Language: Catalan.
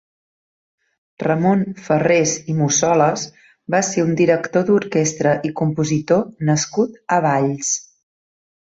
Ramon Ferrés i Musolas va ser un director d'orquestra i compositor nascut a Valls.